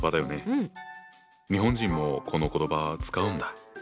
日本人もこの言葉使うんだ。